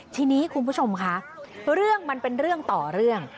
ทีนี้คุณผู้ชมคะเรื่องมันเป็นเรื่องต่อเรื่อง